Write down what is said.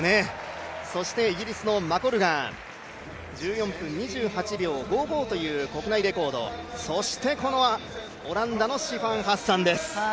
そしてイギリスのマコルガン１４分２８秒５５という国内レコードそしてこのオランダのシファン・ハッサンです。